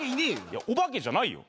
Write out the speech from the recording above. いやお化けじゃないよ。